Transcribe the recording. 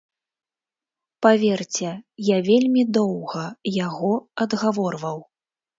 Паверце, я вельмі доўга яго адгаворваў.